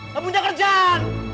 gak punya kerjaan